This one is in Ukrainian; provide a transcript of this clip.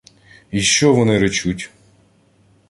— Й що вони речуть?